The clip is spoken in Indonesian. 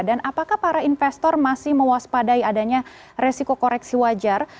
apakah para investor masih mewaspadai adanya resiko koreksi wajar